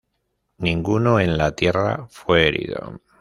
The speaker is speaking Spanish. Ninguno en la tierra fue herido.